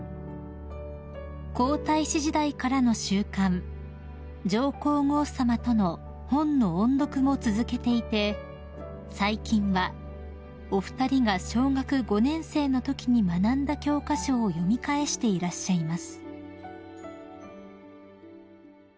［皇太子時代からの習慣上皇后さまとの本の音読も続けていて最近はお二人が小学５年生のときに学んだ教科書を読み返していらっしゃいます］